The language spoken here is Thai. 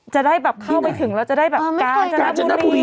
จะได้แบบเข้าไปถึงแล้วจะได้แบบกาญจนกาญจนบุรี